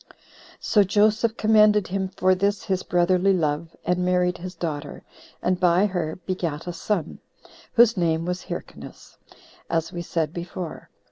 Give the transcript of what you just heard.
So Joseph commended him for this his brotherly love, and married his daughter; and by her begat a son, whose name was Hyrcanus, as we said before.